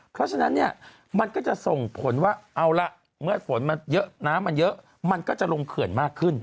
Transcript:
เพราะฉะนั้นเนี่ยมันก็จะส่งผลว่าเอาละเมื่อฝนมันเยอะน้ำมันเยอะมันก็จะลงเขื่อนมากขึ้น